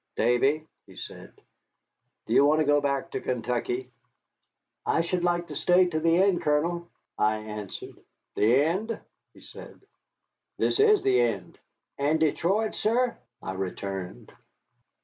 "Davy," he said, "do you want to go back to Kentucky?" "I should like to stay to the end, Colonel," I answered. "The end?" he said. "This is the end." "And Detroit, sir?" I returned.